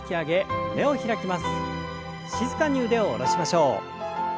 静かに腕を下ろしましょう。